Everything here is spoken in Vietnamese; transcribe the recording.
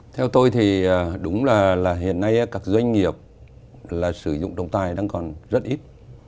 theo tôi thì đúng là hiện nay các doanh nghiệp sử dụng trọng tài đang còn rất ít